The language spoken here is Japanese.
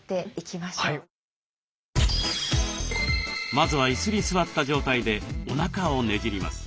まずは椅子に座った状態でおなかをねじります。